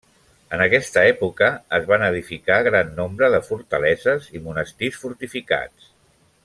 En aquesta època es van edificar gran nombre de fortaleses i monestirs fortificats.